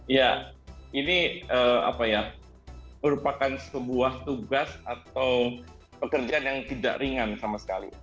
ya ini merupakan sebuah tugas atau pekerjaan yang tidak ringan sama sekali